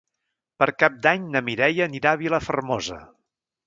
Per Cap d'Any na Mireia anirà a Vilafermosa.